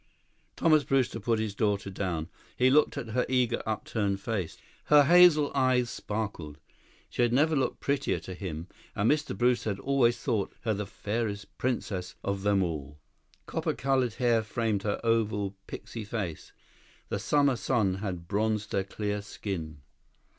Thomas Brewster put his daughter down. He looked into her eager, upturned face. Her hazel eyes sparkled. She had never looked prettier to him, and Mr. Brewster had always thought her the fairest princess of them all. Copper colored hair framed her oval, pixie face. The summer sun had bronzed her clear skin.